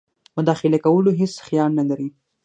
مداخلې کولو هیڅ خیال نه لري.